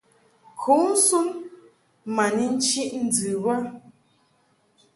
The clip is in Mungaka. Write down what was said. Kǔnsun ma ni nchiʼ ndɨ bə.